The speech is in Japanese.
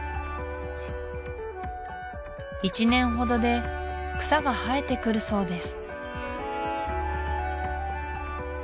１年ほどで草が生えてくるそうです